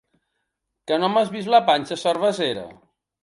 Que no m'has vist la panxa cervesera?